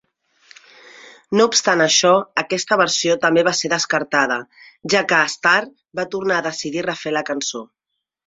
No obstant això, aquesta versió també va ser descartada, ja que Starr va tornar a decidir refer la cançó.